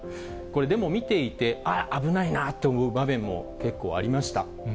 でも見ていて、あっ、危ないなって思う場面も結構ありました。